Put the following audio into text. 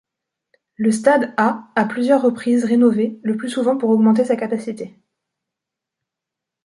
Le stade a à plusieurs reprises rénové, le plus souvent pour augmenter sa capacité.